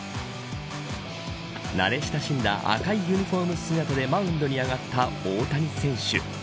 慣れ親しんだ赤いユニホーム姿でマウンドに上がった大谷選手。